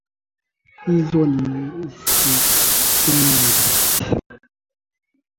Hizo ni sentensi